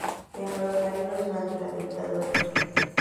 En "Los marinos durante la dictadura.